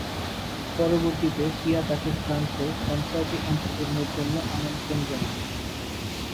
পরবর্তীতে কিয়া তাকে ফ্রান্সে কনসার্টে অংশগ্রহণের জন্যে আমন্ত্রণ জানান।